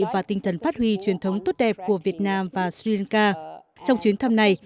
và tinh thần phát huy truyền thống tốt đẹp của việt nam và sri lanka trong chuyến thăm này